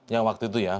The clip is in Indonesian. yang waktu itu ya